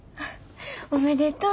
おめでとう！